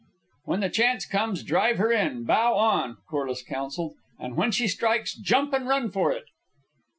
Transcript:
"When the chance comes, drive her in, bow on," Corliss counselled; "and when she strikes, jump and run for it."